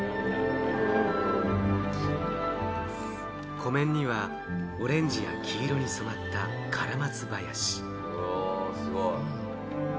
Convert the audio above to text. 湖面にはオレンジや黄色に染まったカラマツ林。